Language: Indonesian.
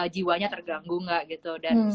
jiwanya terganggu gak gitu